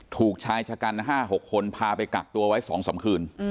ถูกชายชะกัน๕๖คนพาไปกักตัวไว้๒๓คืน